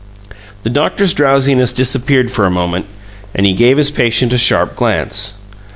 The doctor's drowsiness disappeared for a moment, and he gave his patient a sharp glance.